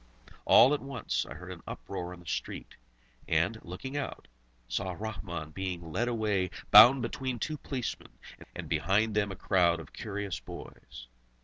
All at once, I heard an uproar in the street, and, looking out, saw Rahmun being led away bound between two policemen, and behind them a crowd of curious boys.